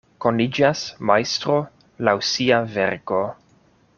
Koniĝas majstro laŭ sia verko.